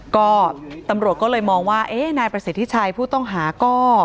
ก็ตำรวจก็เลยมองว่าเอ๊ะนายประสิทธิชัยผู้ต้องหาก็